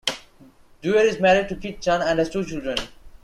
Duerr is married to Kit Chan, and has two children.